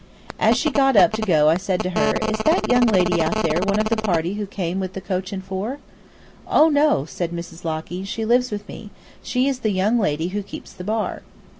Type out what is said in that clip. As she got up to go I said to her, "Is that young lady out there one of the party who came with the coach and four?" "Oh, no," said Mrs. Locky, "she lives with me. She is the young lady who keeps the bar."